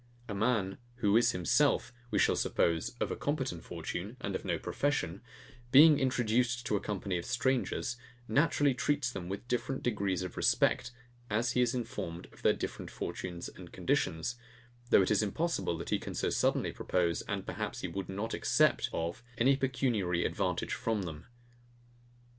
A man, who is himself, we shall suppose, of a competent fortune, and of no profession, being introduced to a company of strangers, naturally treats them with different degrees of respect, as he is informed of their different fortunes and conditions; though it is impossible that he can so suddenly propose, and perhaps he would not accept of, any pecuniary advantage from them.